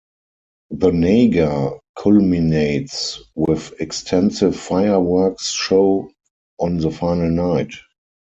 The Nagar culminates with extensive fireworks show on the final night.